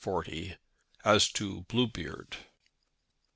AS TO BLUEBEARD.